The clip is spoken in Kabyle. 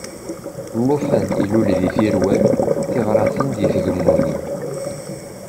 Llufan ilul di Tirwal, tiɣratin di Tgemmunin!